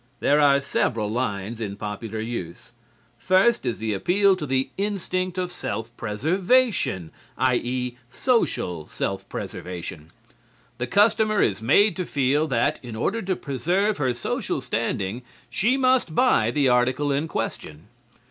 There are several lines in popular use. First is the appeal to the instinct of self preservation i.e., social self preservation. The customer is made to feel that in order to preserve her social standing she must buy the article in question.